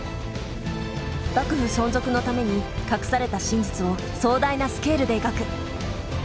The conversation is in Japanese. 幕府存続のために隠された真実を壮大なスケールで描く。